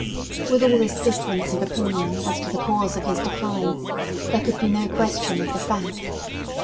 With all this difference of opinion as to the cause of his decline, there could be no question of the fact.